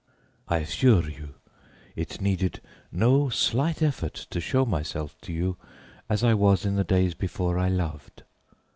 I assure you, it needed no slight effort to show myself to you as I was in the days before I loved.